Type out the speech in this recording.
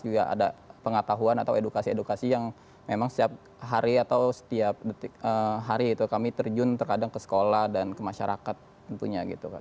juga ada pengetahuan atau edukasi edukasi yang memang setiap hari atau setiap hari itu kami terjun terkadang ke sekolah dan ke masyarakat tentunya gitu